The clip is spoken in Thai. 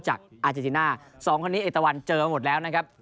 อาเจติน่าสองคนนี้เอกตะวันเจอหมดแล้วนะครับ